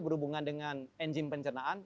berhubungan dengan enzim pencernaan